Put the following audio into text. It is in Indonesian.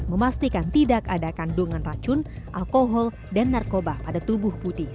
memastikan tidak ada kandungan racun alkohol dan narkoba pada tubuh budi